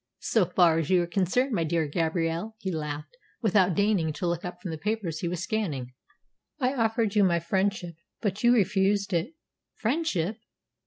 "So far as you yourself are concerned, my dear Gabrielle," he laughed, without deigning to look up from the papers he was scanning, "I offered you my friendship, but you refused it." "Friendship!"